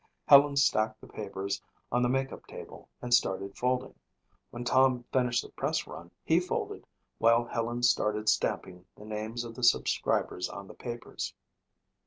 Helen stacked the papers on the makeup table and started folding. When Tom finished the press run he folded while Helen started stamping the names of the subscribers on the papers.